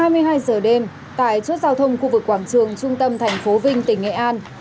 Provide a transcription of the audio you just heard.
hai mươi hai giờ đêm tại chốt giao thông khu vực quảng trường trung tâm thành phố vinh tỉnh nghệ an